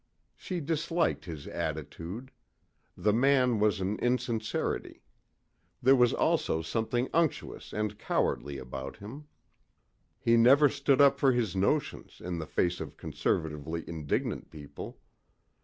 She disliked his attitude. The man was an insincerity. There was also something unctuous and cowardly about him. He never stood up for his notions in the face of conservatively indignant people.